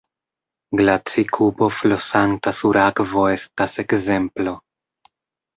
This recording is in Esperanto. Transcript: Glaci-kubo flosanta sur akvo estas ekzemplo.